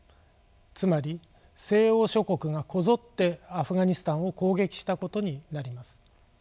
つまり西欧諸国がこぞってアフガニスタンを攻撃したことになります。